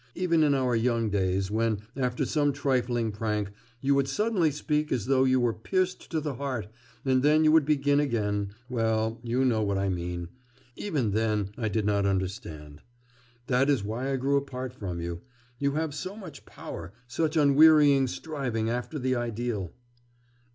Even in our young days, when, after some trifling prank, you would suddenly speak as though you were pierced to the heart, and then you would begin again... well you know what I mean... even then I did not understand. That is why I grew apart from you.... You have so much power, such unwearying striving after the ideal.